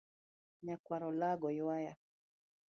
Nyakwar olago ywaya.